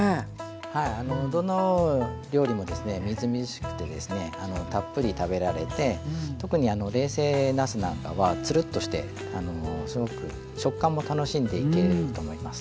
はいどの料理もですねみずみずしくてですねたっぷり食べられて特に冷製なすなんかはつるっとしてすごく食感も楽しんでいけると思います。